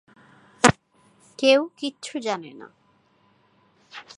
কেউ কিচ্ছু জানে না।